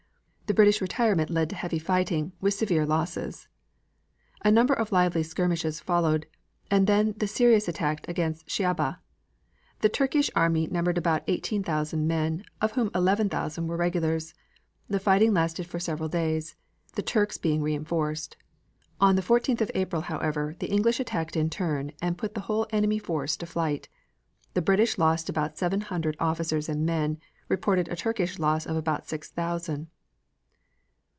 The British retirement led to heavy fighting, with severe losses. A number of lively skirmishes followed, and then the serious attack against Shaiba. The Turkish army numbered about eighteen thousand men, of whom eleven thousand were regulars. The fighting lasted for several days, the Turks being reinforced. On the 14th of April, however, the English attacked in turn and put the whole enemy force to flight. The British lost about seven hundred officers and men, reported a Turkish loss of about six thousand.